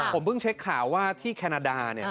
ผมเพิ่งเช็คข่าวว่าที่แคนาดา